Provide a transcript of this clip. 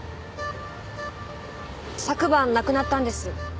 昨晩亡くなったんです。